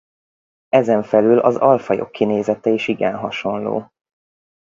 Ezen felül az alfajok kinézete is igen hasonló.